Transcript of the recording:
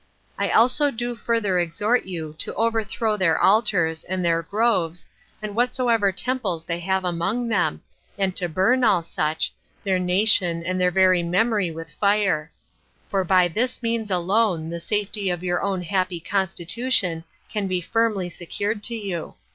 I also do further exhort you, to overthrow their altars, and their groves, and whatsoever temples they have among them, and to burn all such, their nation, and their very memory with fire; for by this means alone the safety of your own happy constitution can be firmly secured to you.